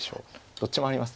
どっちもあります。